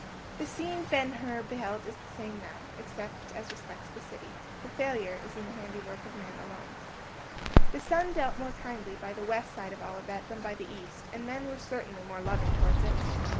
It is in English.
The scene Ben Hur beheld is the same now, except as respects the city. The failure is in the handiwork of man alone. The sun dealt more kindly by the west side of Olivet than by the east, and men were certainly more loving towards it.